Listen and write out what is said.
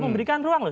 memberikan ruang loh